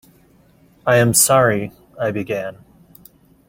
"I am sorry —" I began.